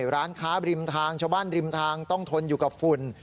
ร้านค้าบริมทางชาวบ้านริมทางต้องทนอยู่กับฝุ่น